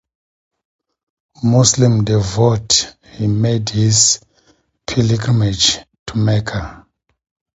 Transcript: Muslim devotee he made his pilgrimage to Mecca.